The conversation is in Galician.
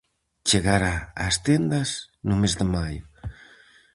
Chegará ás tendas no mes de maio.